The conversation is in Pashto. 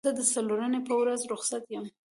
زه د څلورنۍ په ورځ روخصت یم